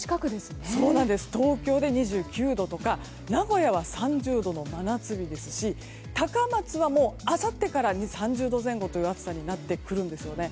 東京で２９度とか名古屋は３０度の真夏日ですし高松はあさってから３０度前後という暑さになってくるんですよね。